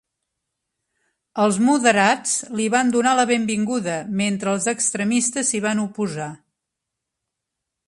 Els moderats li van donar la benvinguda, mentre els extremistes s'hi van oposar.